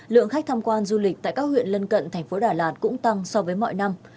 lượng khách tham quan du lịch tại các huyện lân cận thành phố đà lạt cũng tăng so với mọi năm